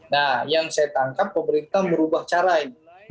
nah yang saya tangkap pemerintah merubah cara ini